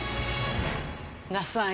那須さん